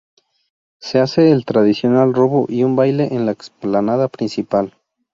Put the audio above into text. Se hace el tradicional robo y un baile en la explanada principal.